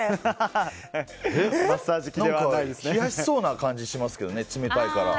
冷やしそうな感じがしますけど冷たいから。